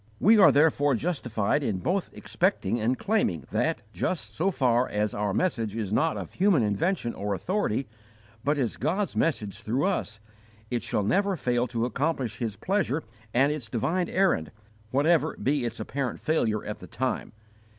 We are therefore justified in both expecting and claiming that, just so far as our message is not of human invention or authority, but is God's message through us, it shall never fail to accomplish His pleasure and its divine errand, whatever be its apparent failure at the time.